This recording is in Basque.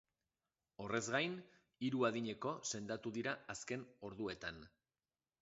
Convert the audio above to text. Horrez gain, hiru adineko sendatu dira azken orduetan.